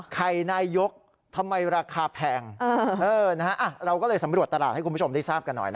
นายยกทำไมราคาแพงเราก็เลยสำรวจตลาดให้คุณผู้ชมได้ทราบกันหน่อย